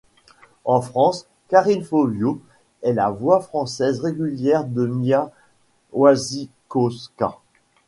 En France, Karine Foviau est la voix française régulière de Mia Wasikowska.